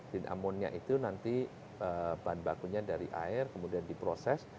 din amonnya itu nanti bahan bakunya dari air kemudian diproses